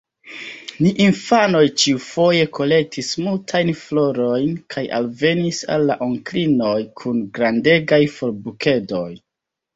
Ni infanoj ĉiufoje kolektis multajn florojn kaj alvenis al la onklinoj kun grandegaj florbukedoj.